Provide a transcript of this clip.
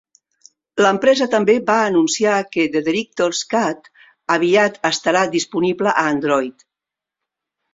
L'empresa també va anunciar que "The Director's Cut" aviat estarà disponible a Android.